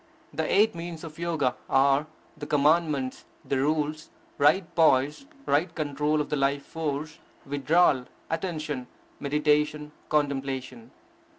The eight means of Yoga are: the Commandments, the Rules, right Poise, right Control of the life force, Withdrawal, Attention, Meditation, Contemplation.